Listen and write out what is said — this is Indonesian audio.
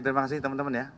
terima kasih teman teman ya